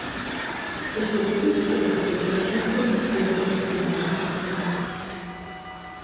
Сыщогуфӏыкӏ сыкъызыхэкӏа лъэпкъым зыгуэркӏэ сызэрыхуэщхьэпам.